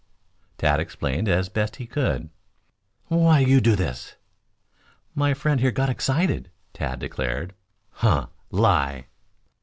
Tad explained as best he could. "Why you do this?" "My friend here got excited," Tad declared. "Huh! Lie!"